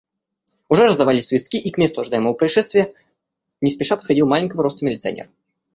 Уже раздавались свистки и к месту ожидаемого происшествия не спеша подходил маленького роста милиционер.